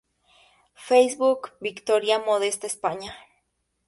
Facebook Viktoria Modesta España